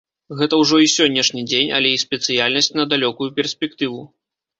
Гэта ўжо і сённяшні дзень, але і спецыяльнасць на далёкую перспектыву.